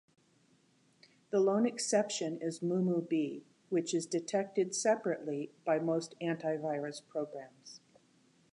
The lone exception is Mumu.B, which is detected separately by most antivirus programs.